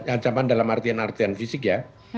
ancaman dalam artian artian fisik ya